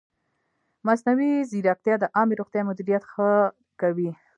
مصنوعي ځیرکتیا د عامې روغتیا مدیریت ښه کوي.